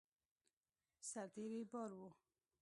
سرتېري بار وو.